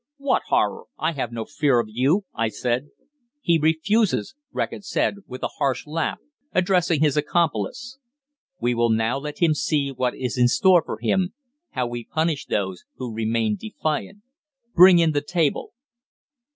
"What horror? I have no fear of you," I said. "He refuses," Reckitt said, with a harsh laugh, addressing his accomplice. "We will now let him see what is in store for him how we punish those who remain defiant. Bring in the table."